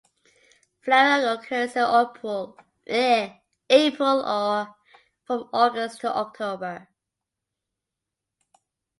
Flowering occurs in April or from August to October.